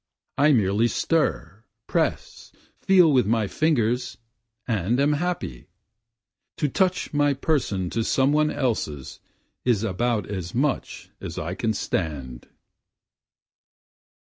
I merely stir, press, feel with my fingers, and am happy, To touch my person to some one else's is about as much as I can stand.